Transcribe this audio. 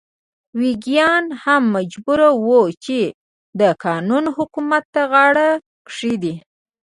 ویګیان هم مجبور وو چې د قانون حاکمیت ته غاړه کېږدي.